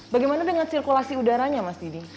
bagaimana dengan sirkulasi udaranya mas didi